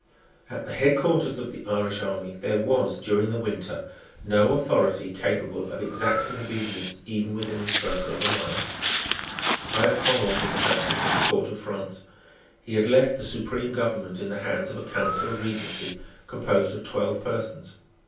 At the head quarters of the Irish army there was, during the winter, no authority capable of exacting obedience even within a circle of a mile. Tyrconnel was absent at the Court of France. He had left the supreme government in the hands of a Council of Regency composed of twelve persons.